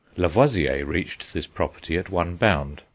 Lavoisier reached this property at one bound.